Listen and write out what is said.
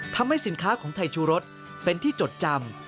ทำให้สินค้าของไทยชูรสเป็นที่จดจำ